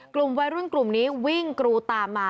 กลุ่มวัยรุ่นกลุ่มนี้วิ่งกรูตามมา